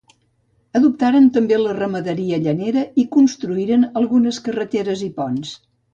Adoptaren també la ramaderia llanera i construïren algunes carreteres i ponts.